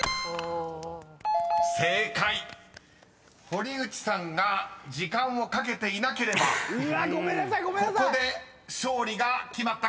［堀内さんが時間をかけていなければここで勝利が決まったかもしれませんが］